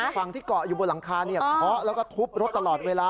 ฝั่งที่เกาะอยู่บนหลังคาเคาะแล้วก็ทุบรถตลอดเวลา